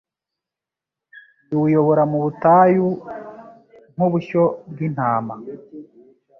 iwuyobora mu butayu nk’ubushyo bw’intama